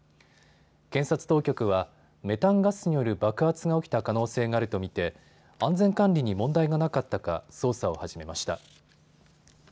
検察当局はメタンガスによる爆発が起きた可能性があると見て安全管理に問題がなかったか捜査を始めました。